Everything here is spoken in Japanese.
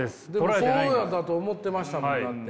そうやと思ってましたもんだって。